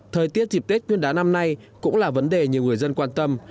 thời tiết dịp tết nguyên đá năm nay cũng là vấn đề nhiều người dân quan tâm